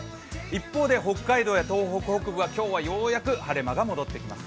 一方で、北海道や東北北部は今日はようやく晴れ間が戻ってきます。